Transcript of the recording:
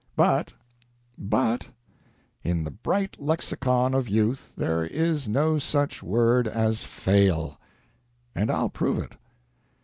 "But but In the bright lexicon of youth, There is no such word as fail, and I'll prove it."